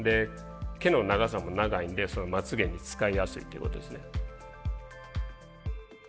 毛の長さも長いんでまつげに使いやすいっていうことですね。